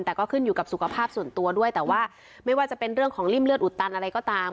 แต่ก็ขึ้นอยู่กับสุขภาพส่วนตัวด้วยแต่ว่าไม่ว่าจะเป็นเรื่องของริ่มเลือดอุดตันอะไรก็ตาม